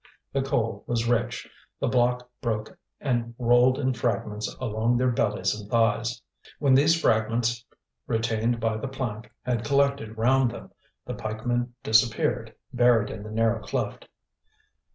The coal was rich; the block broke and rolled in fragments along their bellies and thighs. When these fragments, retained by the plank, had collected round them, the pikemen disappeared, buried in the narrow cleft.